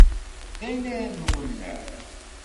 D ayen ara nwenneε.